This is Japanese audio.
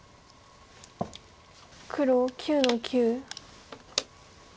黒９の九。